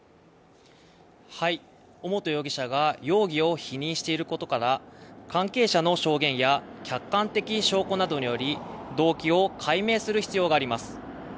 尾本容疑者が容疑を否認していることから関係者の証言や客観的証拠などにより動機を解明する必要があります。